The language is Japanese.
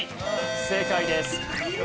正解です。